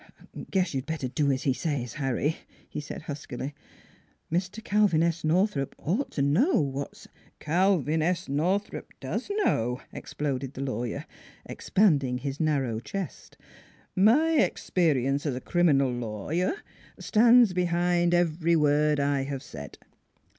" Guess you'd better do as he says, Harry," he said huskily. " Mr. Calvin S. Northrup ought to know what's "" Calvin S. Northrup does know! " exploded the lawyer, expanding his narrow chest. " My experience as a criminal lawyer stands behind every word I have said.